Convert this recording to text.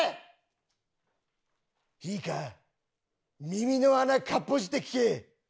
いいか耳の穴かっぽじって聞け！